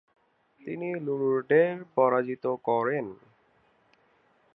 তিনি লুরদের পরাজিত করেন।